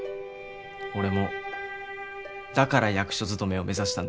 俺もだから役所勤めを目指したんです。